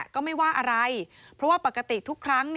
ก็ไม่ว่าอะไรเพราะว่าปกติทุกครั้ง